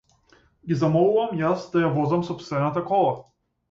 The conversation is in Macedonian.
Ги замолувам јас да ја возам сопствената кола.